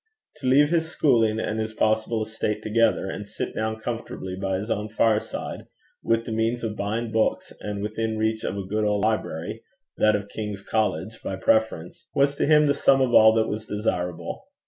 To leave his schooling and his possible estate together, and sit down comfortably by his own fireside, with the means of buying books, and within reach of a good old library that of King's College by preference was to him the sum of all that was desirable.